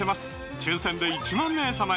抽選で１万名様に！